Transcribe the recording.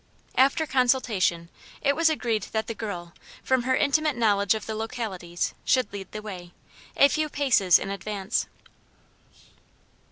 After consultation it was agreed that the girl, from her intimate knowledge of the localities, should lead the way, a few paces in advance.